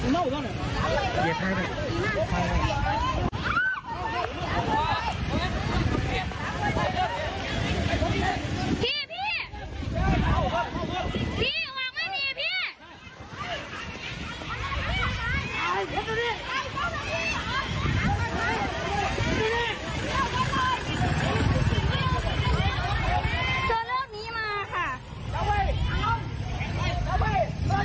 เดี๋ยวท้ายไปเดี๋ยวท้ายไป